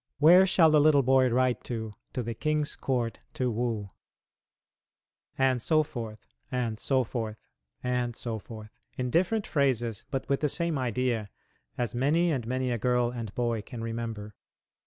Where shall the little boy ride to? To the king's court to woo" and so forth, and so forth, and so forth in different phrases but with the same idea, as many and many a girl and boy can remember.